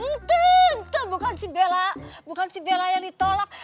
entah bukan si bella bukan si bella yang ditolak